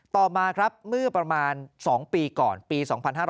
ต่อมาครับเมื่อประมาณ๒ปีก่อนปี๒๕๕๙